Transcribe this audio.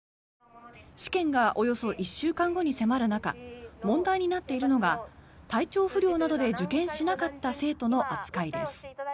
試験がおよそ１週間後に迫る中問題になっているのが体調不良などで受験しなかった生徒の扱いです。